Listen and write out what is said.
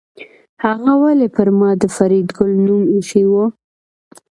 هغه ولې پر ما د فریدګل نوم ایښی و